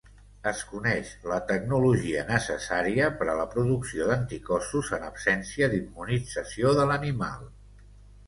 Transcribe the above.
Es coneix la tecnologia necessària per a la producció d'anticossos en absència d'immunització de l'animal.